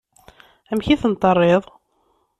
Amek i tent-terriḍ?